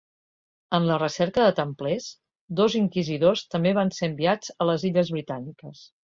En la recerca de Templers, dos inquisidors també van ser enviats a les Illes Britàniques.